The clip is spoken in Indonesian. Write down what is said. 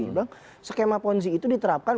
mereka bilang skema ponzi itu diterapkan